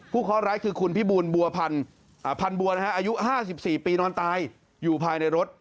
ผู้ข้อร้ายคือคุณพี่บูนพันบัวนะฮะอายุ๕๔ปีนอนตายอยู่ภายในรถ